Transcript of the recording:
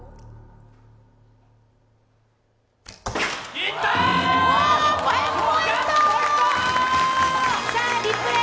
いったー！